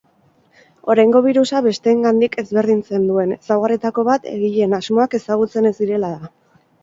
Oraingo birusa besteengandik ezberdintzen duen ezaugarrietako bat egileen asmoak ezagutzen ez direla da.